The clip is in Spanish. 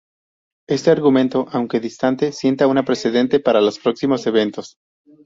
Este argumento aunque distante, sienta un precedente para los próximos eventos.